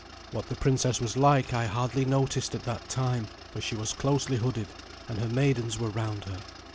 What the princess was like I hardly noticed at that time, for she was closely hooded, and her maidens were round her.